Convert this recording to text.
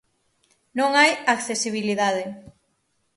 Non hai accesibilidade.